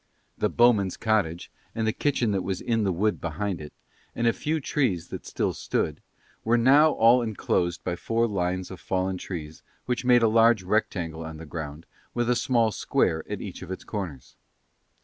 The bowmen's cottage and the kitchen that was in the wood behind it, and a few trees that still stood, were now all enclosed by four lines of fallen trees which made a large rectangle on the ground with a small square at each of its corners.